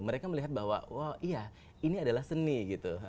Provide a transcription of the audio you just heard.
mereka melihat bahwa wah iya ini adalah seni gitu